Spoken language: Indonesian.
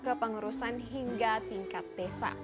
kepengerusan hingga tingkat desa